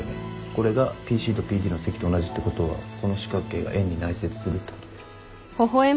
これがＰＣとＰＤの積と同じってことはこの四角形が円に内接するってこと。